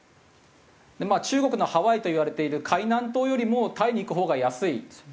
中国のハワイといわれている海南島よりもタイに行くほうが安い。